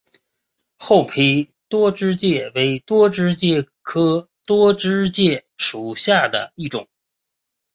厚皮多枝介为多枝介科多枝介属下的一个种。